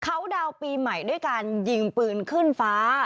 เขาดาวน์ปีใหม่ด้วยการยิงปืนขึ้นฟ้า